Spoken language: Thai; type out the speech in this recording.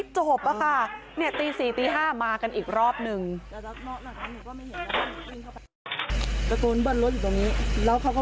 โอ้โฮไม่จบอะค่ะ